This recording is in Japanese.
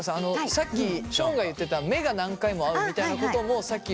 さっきションが言ってた目が何回も合うみたいなこともさっき言った。